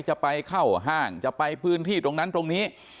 จะไปเข้าห้างจะไปพื้นที่ตรงนั้นตรงนี้